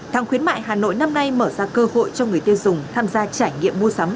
tháng khuyến mại hà nội năm nay mở ra cơ hội cho người tiêu dùng tham gia trải nghiệm mua sắm